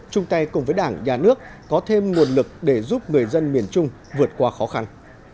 chung tay cùng với đảng nhà nước có thêm nguồn lực để giúp người dân miền trung vượt qua khó khăn